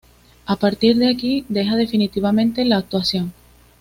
A partir de aquí deja definitivamente la actuación.